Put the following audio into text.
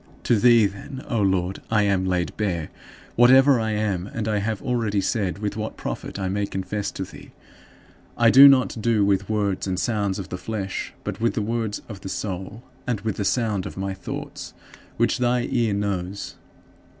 To thee, then, O Lord, I am laid bare, whatever I am, and I have already said with what profit I may confess to thee. I do not do it with words and sounds of the flesh but with the words of the soul, and with the sound of my thoughts, which thy ear knows.